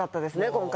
今回。